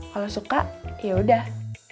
kalau suka ya udah